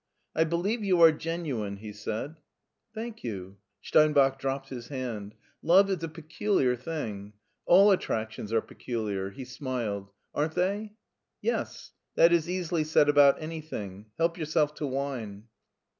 I believe you are genuine," he said. Thank you." Steinbach dropped his hand. " Love is a peculiar thing. All attractions are peculiar." He smiled. "Aren't they?" "Yes. That is easily said about an)rthing. Help yourself to wine."